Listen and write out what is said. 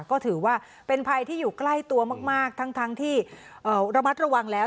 ก็ถือว่าเป็นภัยที่อยู่ใกล้ตัวมากทั้งที่ระมัดระวังแล้ว